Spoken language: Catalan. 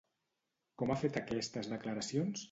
Com ha fet aquestes declaracions?